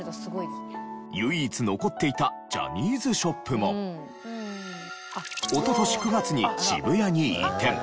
唯一残っていたジャニーズショップもおととし９月に渋谷に移転。